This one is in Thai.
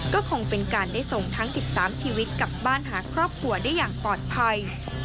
ก็คงเป็นการได้ส่งทั้ง๑๓ชีวิตกลับบ้านหาครอบครัวได้อย่างปลอดภัย